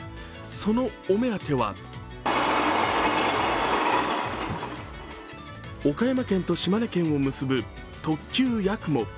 そのお目当ては岡山県と島根県を結ぶ特急やくも。